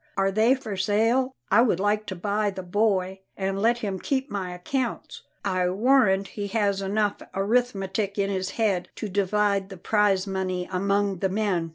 Are they for sale? I would like to buy the boy and let him keep my accounts. I warrant he has enough arithmetic in his head to divide the prize moneys among the men."